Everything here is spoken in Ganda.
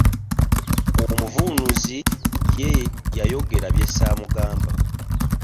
Omuvvuunuzi ye yayogera bye ssaamugamba.